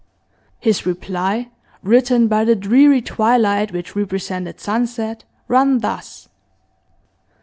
His reply, written by the dreary twilight which represented sunset, ran thus.